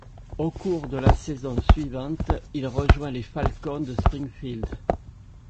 Au cours de la saison suivante, il rejoint les Falcons de Springfield.